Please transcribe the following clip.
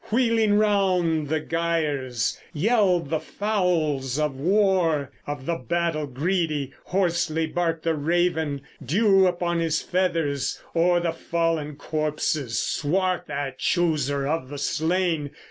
Wheeling round in gyres, yelled the fowls of war, Of the battle greedy; hoarsely barked the raven, Dew upon his feathers, o'er the fallen corpses Swart that chooser of the slain!